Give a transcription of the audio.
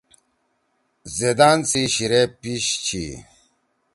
زیدان سی شیِرے پیِش چھی۔